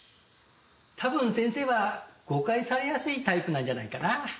多分先生は誤解されやすいタイプなんじゃないかな。